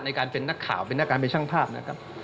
ในการเป็นนักข่าวเป็นนักการเป็นช่างภาพนะครับ